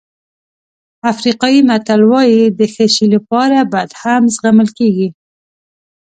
افریقایي متل وایي د ښه شی لپاره بد هم زغمل کېږي.